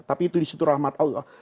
tapi itu disitu rahmat allah